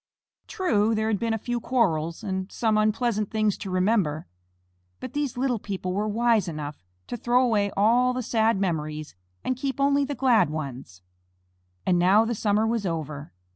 True, there had been a few quarrels, and some unpleasant things to remember, but these little people were wise enough to throw away all the sad memories and keep only the glad ones. And now the summer was over.